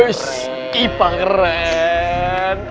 oish iya pak keren